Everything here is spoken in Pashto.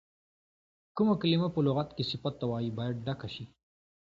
کومه کلمه په لغت کې صفت ته وایي باید ډکه شي.